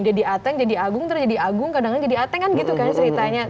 jadi ateng jadi agung ntar jadi agung kadang jadi ateng kan gitu kan ceritanya